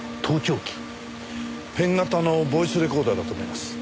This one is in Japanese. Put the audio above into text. ペン型のボイスレコーダーだと思います。